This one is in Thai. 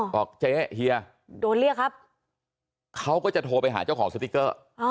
บอกเจ๊เฮียโดนเรียกครับเขาก็จะโทรไปหาเจ้าของสติ๊กเกอร์